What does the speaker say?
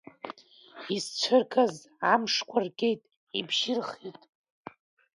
Исцәыргаз амшқәа ргеит, ибжьырхит…